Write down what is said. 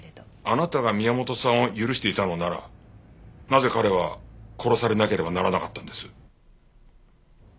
あなたが宮本さんを許していたのならなぜ彼は殺されなければならなかったんです？